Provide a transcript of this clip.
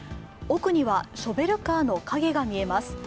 奥にはショベルカーの影が見えます。